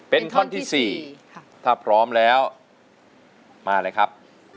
เป็นท่อนที่๔ถ้าพร้อมแล้วมาเลยครับ